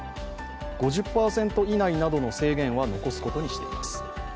５０％以内などの制限は残すことにしています。